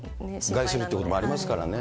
害するということもありますからね。